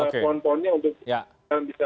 kontonya untuk bisa